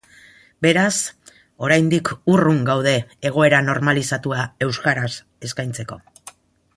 Beraz, oraindik urrun gaude egoera normalizatua euskaraz eskaintzeko.